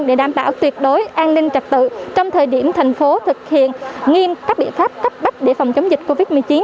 để đảm bảo tuyệt đối an ninh trật tự trong thời điểm thành phố thực hiện nghiêm các biện pháp cấp bách để phòng chống dịch covid một mươi chín